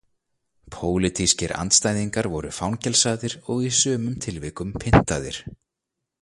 Pólitískir andstæðingar voru fangelsaðir og í sumum tilvikum pyntaðir.